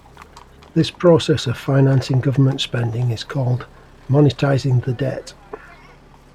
This process of financing government spending is called "monetizing the debt".